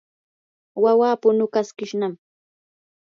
wawaa punukaskishnam.